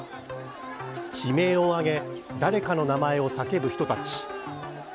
悲鳴を上げ誰かの名前を叫ぶ人たち。